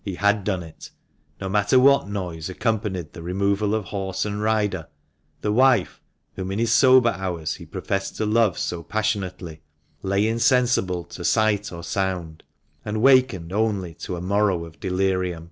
He had done it. No matter what noise accompanied the removal of horse and rider, the wife, whom in his sober hours he professed to love so passionately, lay insensible to sight or sound, and wakened only to a morrow of delirium.